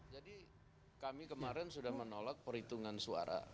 jadi kami kemarin sudah menolak perhitungan suara